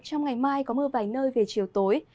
trong ngày mai có mưa vài nơi về chiều tối